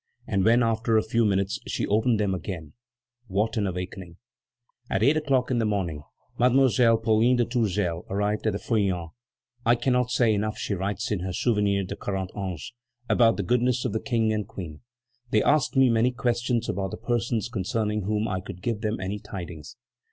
And when, after a few minutes, she opened them again, what an awakening! At eight o'clock in the morning Mademoiselle Pauline de Tourzel arrived at the Feuillants. "I cannot say enough," she writes in her Souvenirs de Quarante Ans, "about the goodness of the King and Queen; they asked me many questions about the persons concerning whom I could give them any tidings.